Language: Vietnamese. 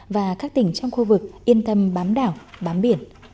và các tỉnh trong khu vực yên tâm bám đảo bám biển